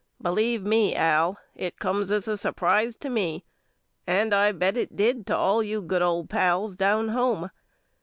Jbklieve me Al it comes as a sur prise to me and I bet it did to all you good old pals down home.